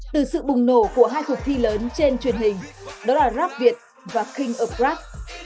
từ sự bùng nổ của hai cuộc thi lớn trên truyền hình đó là rap việt và king oprab